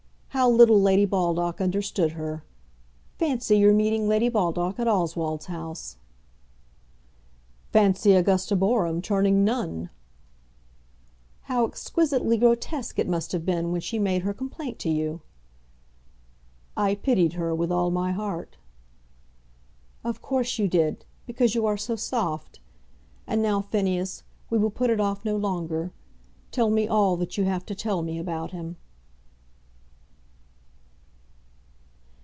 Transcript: How little Lady Baldock understood her. Fancy your meeting Lady Baldock at Oswald's house!" "Fancy Augusta Boreham turning nun!" "How exquisitely grotesque it must have been when she made her complaint to you." "I pitied her with all my heart." "Of course you did, because you are so soft. And now, Phineas, we will put it off no longer. Tell me all that you have to tell me about him."